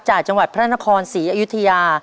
จากจังหวัดพระนครศรีอยุธยา